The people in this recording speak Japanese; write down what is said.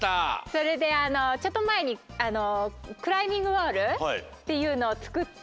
それでちょっとまえにクライミングウォールっていうのをつくって。